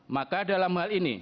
maka dalam hal ini